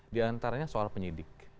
di antaranya soal penyidik